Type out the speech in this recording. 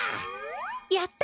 やった！